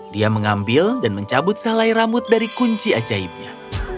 dia mengambil dan mencabut selai rambut dari kunci ajaibnya